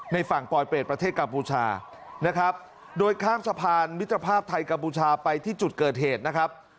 ในฝั่งปลอยเป็ดประเทศกัมพูชานะครับโดยข้ามสะพานมิตรภาพไทยกัมพูชาไปที่จุดเกิดเหตุนะครับ